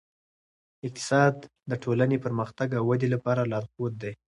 اقتصاد د ټولنې پرمختګ او ودې لپاره لارښود دی.